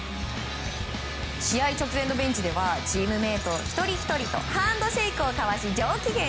試合直前のベンチではチームメート一人ひとりとハンドシェイクを交わし上機嫌。